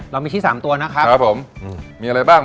เรามีขี้สามตัวนะครับครับผมมีอะไรบ้าง